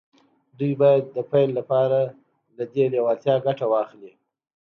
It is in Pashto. دوی باید د پیل لپاره له دې لېوالتیا ګټه واخلي